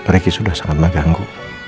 riki sudah sangat mengganggu